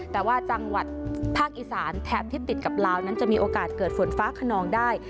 แต่ว่าจังหวัดภาคอีสานแถบที่ติดกับลาวนั้นจะมีโอกาสเกิดฝนฟ้าขนองได้